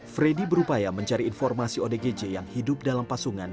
freddy berupaya mencari informasi odgj yang hidup dalam pasungan